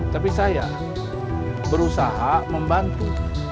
tapi saya berusaha membantu